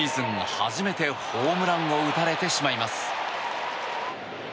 初めてホームランを打たれてしまいます。